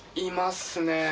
いますね。